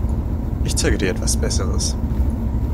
Ich zeige dir etwas Besseres.